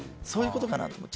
そういうことかなと。